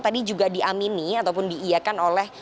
tadi juga diamini ataupun diiakan oleh